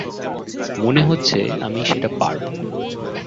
মনে হচ্ছে আমি সেটা পারব।